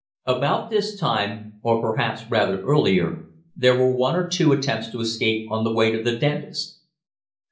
About this time, or perhaps rather earlier, there were one or two attempts to escape on the way to the dentist.